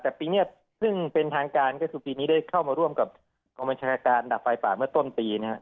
แต่ปีเนี่ยซึ่งเป็นทางการก็สุดทีนี้ได้เข้ามาร่วมกับความบัญชาการดับไฟฝ่าเมื่อต้นปีเนี่ยฮะ